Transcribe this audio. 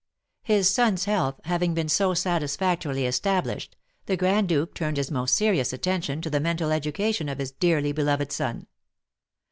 His son's health having been so satisfactorily established, the Grand Duke turned his most serious attention to the mental education of his dearly beloved son.